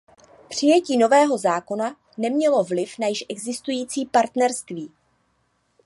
Přijetí nového zákona nemělo vliv na již existující partnerství.